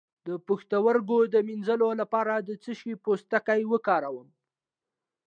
د پښتورګو د مینځلو لپاره د څه شي پوستکی وکاروم؟